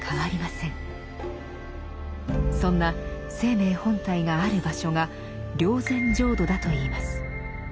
そんな「生命本体」がある場所が「霊山浄土」だといいます。